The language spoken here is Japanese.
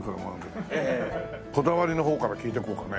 こだわりの方から聞いてこうかね。